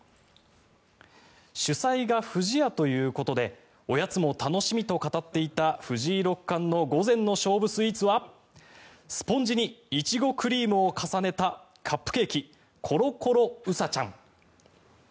主催が不二家ということでおやつも楽しみと語っていた藤井六冠の午前の勝負スイーツはスポンジにイチゴクリームを重ねたカップケーキコロコロうさちゃん。